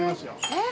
えっ！